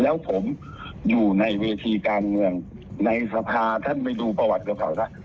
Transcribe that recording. แล้วผมอยู่ในเวทีการเมืองในสภาท่านไปดูประวัติกับเขาซะ